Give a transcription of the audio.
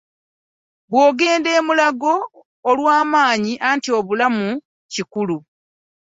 Bw'ogenda e Mulago lw'omanya nti obulamu kikulu.